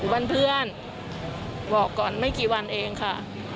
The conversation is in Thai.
เพื่อนบอกก่อนไม่กี่วันเองค่ะ